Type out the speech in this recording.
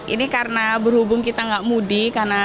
ini karena berhubung kita nggak mudik